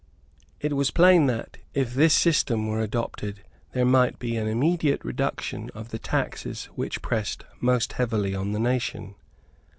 It was plain that, if this system were adopted, there might be an immediate reduction of the taxes which pressed most heavily on the nation.